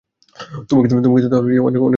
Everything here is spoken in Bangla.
তোমাকে তো তাহলে অনেক শত্রুর মোকাবিলা করতে হবে।